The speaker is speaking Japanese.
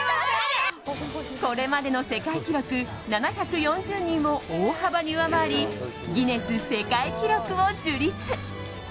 これまでの世界記録７４０人を大幅に上回りギネス世界記録を樹立。